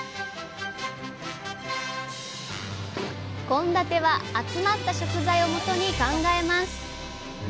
献立は集まった食材をもとに考えます。